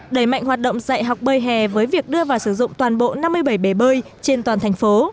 đẩy mạnh hoạt động dạy học bơi hè với việc đưa vào sử dụng toàn bộ năm mươi bảy bể bơi trên toàn thành phố